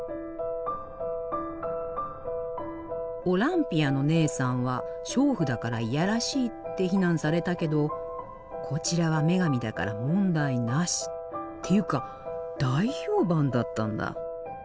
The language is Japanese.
「オランピア」のねえさんは娼婦だから嫌らしいって非難されたけどこちらは女神だから問題なしっていうか大評判だったんだ。